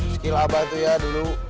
skill apa itu ya dulu